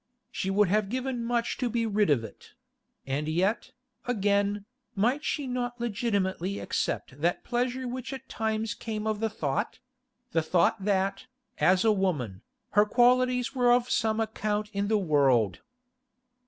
She would have given much to be rid of it; and yet, again, might she not legitimately accept that pleasure which at times came of the thought?—the thought that, as a woman, her qualities were of some account in the world.